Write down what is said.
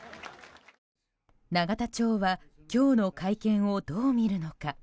永田町は今日の会見をどう見るのか。